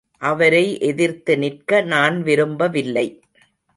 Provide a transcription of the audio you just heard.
அவரை எதிர்த்து நிற்க நான் விரும்பவில்லை.